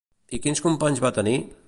I quins companys va tenir?